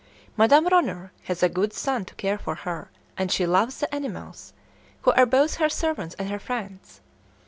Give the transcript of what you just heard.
Madame Ronner has a good son to care for her, and she loves the animals, who are both her servants and her friends.